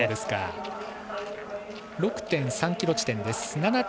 ６．３ｋｍ地点です。